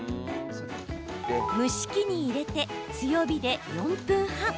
蒸し器に入れて強火で４分半。